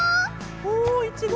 おおいちご！